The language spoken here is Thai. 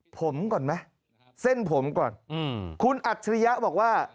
ผมก่อนไหมเส้นผมก่อนคุณอัจฉริยะบอกว่า